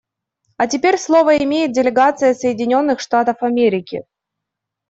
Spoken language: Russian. А теперь слово имеет делегация Соединенных Штатов Америки.